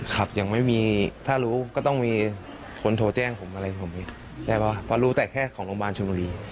ครับยังไม่มีถ้ารู้ก็ต้องมีคนโทรแจ้งผมอะไรผมอีกใช่ป่ะเพราะรู้แต่แค่ของโรงพยาบาลชนบุรี